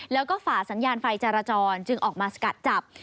แล้วก็ฝ่าสัญญาณไฟจรจรจึงออกมาสกัดจับ